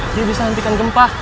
dia bisa hentikan gempa